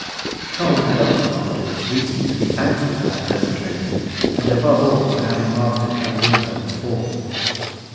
Tom had often afterwards reason to be thankful for that early drilling, and above all, for having mastered Harry Winburn's fall.